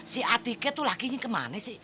si atiket tuh lakinya kemana sih